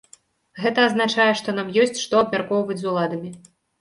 Гэта азначае, што нам ёсць што абмяркоўваць з уладамі.